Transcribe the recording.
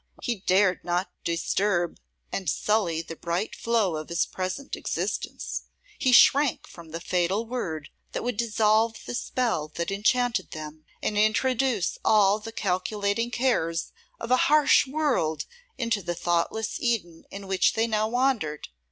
he dared not disturb and sully the bright flow of his present existence; he shrank from the fatal word that would dissolve the spell that enchanted them, and introduce all the calculating cares of a harsh world into the thoughtless Eden in which they now wandered.